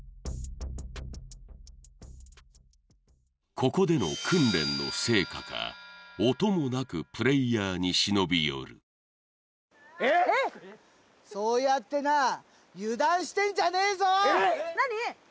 ここでの訓練の成果か音もなくプレイヤーに忍び寄るえっそうやってな油断してんじゃねえぞ何！？